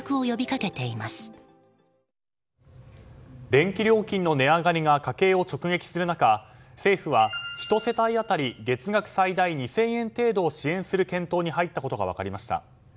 電気料金の値上がりが家計を直撃する中政府は１世帯当たり月額最大２０００円程度を支援する検討に入ったことが分かりました。